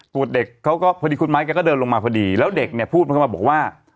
เด็กเขาก็พอดีคุณไม้แกก็เดินลงมาพอดีแล้วเด็กเนี่ยพูดเข้ามาบอกว่า